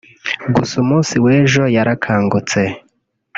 gusa umunsi w’ejo yarakangutse